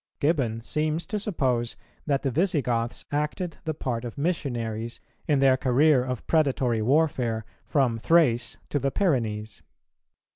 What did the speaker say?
Gibbon seems to suppose that the Visigoths acted the part of missionaries in their career of predatory warfare from Thrace to the Pyrenees.